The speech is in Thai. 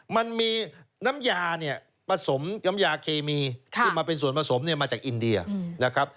มันมีน้ำยาเนี่ยผสมน้ำยาเคมีที่มาเป็นส่วนผสมเนี่ยมาจากอินเดียนะครับ